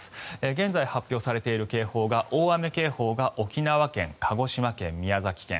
現在発表されている警報が大雨警報が沖縄県、鹿児島県、宮崎県。